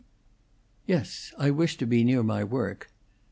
"Yes. I wished to be near my work."